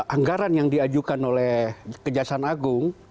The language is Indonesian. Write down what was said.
anggaran yang diajukan oleh kejaksaan agung